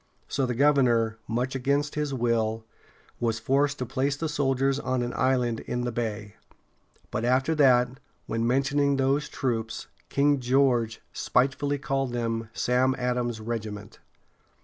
So the governor, much against his will, was forced to place the soldiers on an island in the bay. But after that, when mentioning those troops, King George spitefully called them "Sam Adams's regiments."